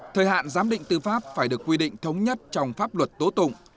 thời hạn giám định tư pháp phải được quy định thống nhất trong pháp luật tố tụng